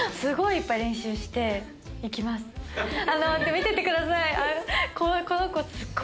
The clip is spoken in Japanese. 見ててください。